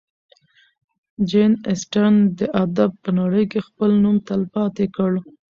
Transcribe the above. جین اسټن د ادب په نړۍ کې خپل نوم تلپاتې کړ.